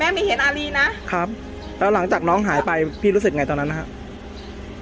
ไม่เห็นอารีนะครับแล้วหลังจากน้องหายไปพี่รู้สึกไงตอนนั้นนะครับ